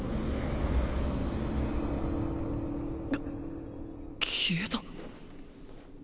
あっ消えた。